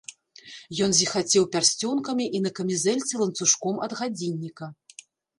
Ён зіхацеў пярсцёнкамі і на камізэльцы ланцужком ад гадзінніка.